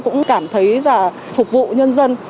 cũng cảm thấy là phục vụ nhân dân